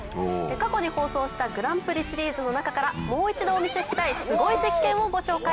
過去に放送したグランプリシリーズの中からもう一度お見せしたいすごい実験をご紹介。